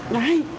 はい。